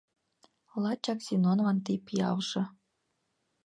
Лачак Зинонлан ты пиалже